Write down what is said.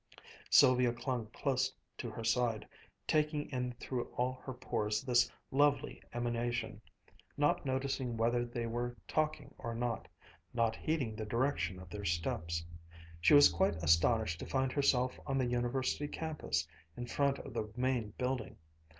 Sylvia clung close to her side, taking in through all her pores this lovely emanation, not noticing whether they were talking or not, not heeding the direction of their steps. She was quite astonished to find herself on the University campus, in front of the Main Building.